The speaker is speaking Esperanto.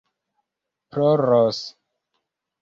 ploros